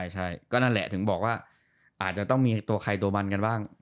ใช่ก็นั่นแหละถึงบอกว่าอาจจะต้องมีตัวใครตัวมันกันบ้าง